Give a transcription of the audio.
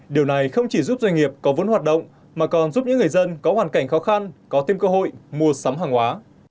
điều này không chỉ giúp doanh nghiệp có vốn hoạt động mà còn giúp những người dân có hoàn cảnh khó khăn có thêm cơ hội mua sắm hàng hóa